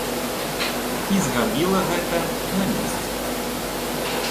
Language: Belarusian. І зрабіла гэта на месцы.